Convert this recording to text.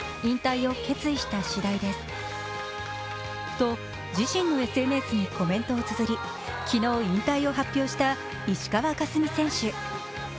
と自身のＳＮＳにコメントをつづり昨日、引退を発表した石川佳純選手。